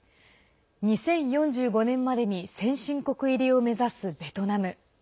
２０４５年までに先進国入りを目指すベトナム。